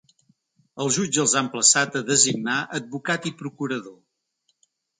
Els jutge els ha emplaçat a designar advocat i procurador.